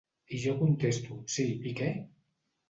I jo contesto: Sí, i què?